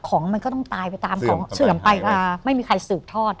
ของมันก็ต้องตายไปตามของเสื่อมไปก็ไม่มีใครสืบทอด